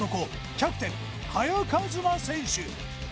キャプテン萱和磨選手